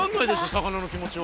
魚の気持ちは。